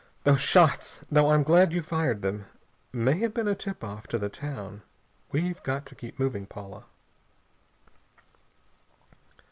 "Those shots though I'm glad you fired them may have been a tip off to the town. We've got to keep moving, Paula."